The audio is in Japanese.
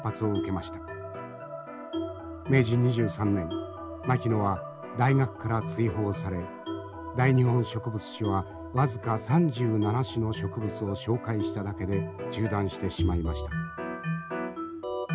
明治２３年牧野は大学から追放され「大日本植物志」は僅か３７種の植物を紹介しただけで中断してしまいました。